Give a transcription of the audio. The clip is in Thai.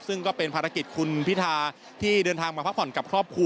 ซึ่งก็เป็นภารกิจคุณพิธาที่เดินทางมาพักผ่อนกับครอบครัว